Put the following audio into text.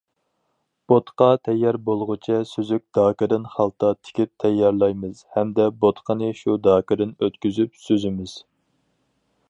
بوتقا تەييار بولغۇچە سۈزۈك داكىدىن خالتا تىكىپ تەييارلايمىز ھەمدە بوتقىنى شۇ داكىدىن ئۆتكۈزۈپ سۈزىمىز.